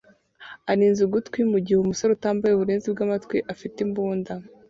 arinze ugutwi mugihe umusore utambaye uburinzi bwamatwi afite imbunda